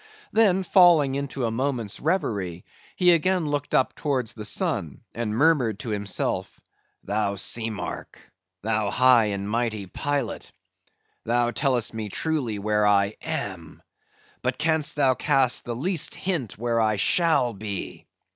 Then falling into a moment's revery, he again looked up towards the sun and murmured to himself: "Thou sea mark! thou high and mighty Pilot! thou tellest me truly where I am—but canst thou cast the least hint where I shall be?